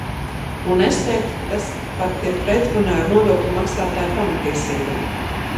Un es teiktu, ka tas pat ir pretrunā ar nodokļu maksātāju pamattiesībām.